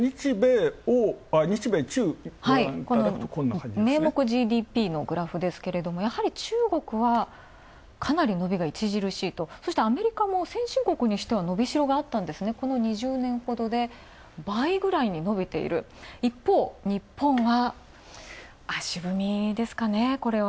日米中、この名目ＧＤＰ、やはり中国はかなり伸びが著しいとそしてアメリカも先進国にしては伸びしろがあったこの２０年ほどで倍くらいに伸びている、一方、日本は足踏みですかね